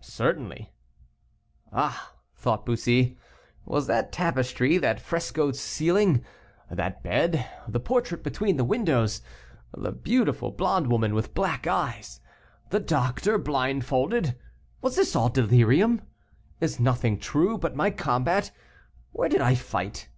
"Certainly." "Ah!" thought Bussy, "was that tapestry, that frescoed ceiling, that bed, the portrait between the windows, the beautiful blonde woman with black eyes, the doctor blindfolded, was this all delirium? Is nothing true but my combat? Where did I fight?